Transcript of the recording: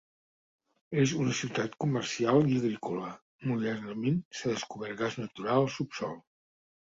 És una ciutat comercial i agrícola; modernament s'ha descobert gas natural al subsòl.